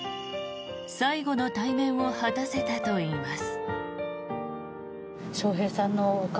最後の対面を果たせたといいます。